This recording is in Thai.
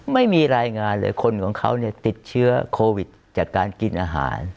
ไม่มีรายงานเลยคนของเขาเนี่ยติดเชื้อโควิดจากการกินอาหาร